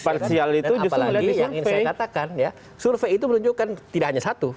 dan apa lagi yang saya katakan survei itu menunjukkan tidak hanya satu